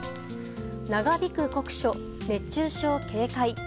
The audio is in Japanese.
長引く酷暑、熱中症警戒。